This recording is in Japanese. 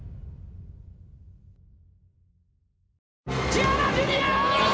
千原ジュニア！